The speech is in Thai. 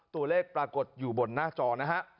ตัวเลขปรากฏอยู่บนหน้าจอนะฮะ